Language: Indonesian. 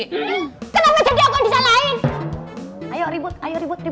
kenapa jadi aku yang disalahin